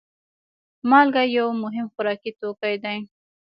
مالګه یو مهم خوراکي توکی دی.